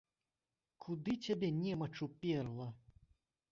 Куды цябе немач уперла?